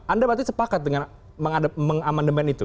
anda berarti sepakat dengan mengamandemen itu